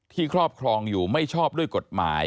ครอบครองอยู่ไม่ชอบด้วยกฎหมาย